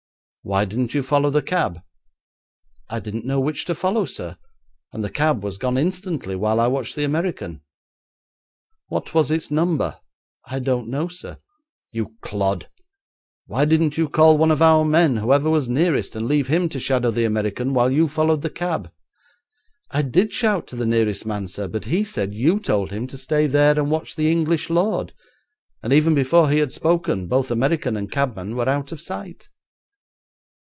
'Why didn't you follow the cab?' 'I didn't know which to follow, sir, and the cab was gone instantly while I watched the American.' 'What was its number?' 'I don't know, sir.' 'You clod! Why didn't you call one of our men, whoever was nearest, and leave him to shadow the American while you followed the cab?' 'I did shout to the nearest man, sir, but he said you told him to stay there and watch the English lord, and even before he had spoken both American and cabman were out of sight.'